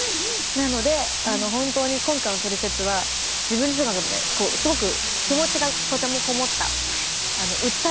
なのであの本当に今回の「トリセツ」は自分自身の中でねすごく気持ちがとてもこもった訴えたい回でしたね。